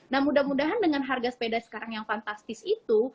nah mudah mudahan dengan harga sepeda sekarang yang fantastis itu